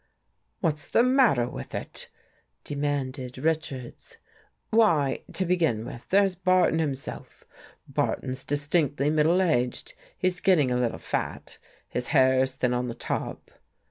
"What's the matter with it?" demanded Rich ards. " Why, to begin with, there's Barton himself. Barton's distinctly middle aged, he's getting a little fat, his hair's thin on the top. .